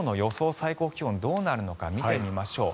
最高気温がどうなるのか見てみましょう。